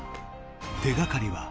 手掛かりは。